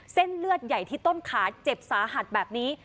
เส้นเลือดใหญ่ที่ต้นขาเจ็บสาหัสแบบนี้